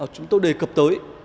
chúng tôi đề cập tới